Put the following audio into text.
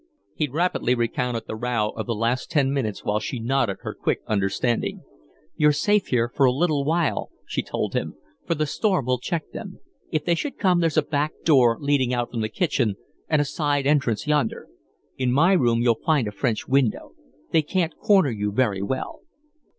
He rapidly recounted the row of the last ten minutes while she nodded her quick understanding. "You're safe here for a little while," she told him, "for the storm will check them. If they should come, there's a back door leading out from the kitchen and a side entrance yonder. In my room you'll find a French window. They can't corner you very well."